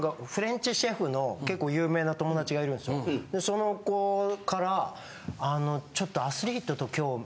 その子からあのちょっと。